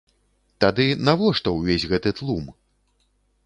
Тады навошта ўвесь гэты тлум?